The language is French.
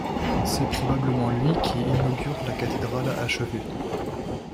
C'est probablement lui qui inaugure la cathédrale achevée.